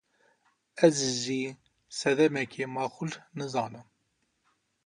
Ez jî sedemeke maqûl nizanim.